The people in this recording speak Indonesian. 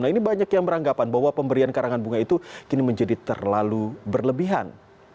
nah ini banyak yang beranggapan bahwa pemberian karangan bunga itu kini menjadi terlalu berlebihan